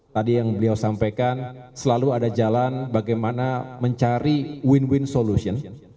tadi yang beliau sampaikan selalu ada jalan bagaimana mencari win win solution